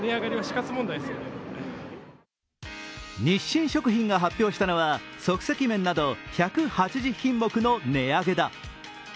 日清食品が発表したのは即席麺など１８０品目の値上げだ。